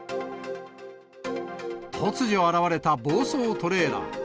突如現れた暴走トレーラー。